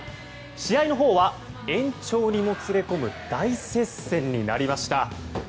試合のほうは延長にもつれ込む大接戦になりました。